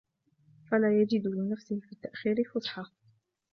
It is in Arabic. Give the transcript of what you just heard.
فَلَا يَجِدُ لِنَفْسِهِ فِي التَّأْخِيرِ فُسْحَةً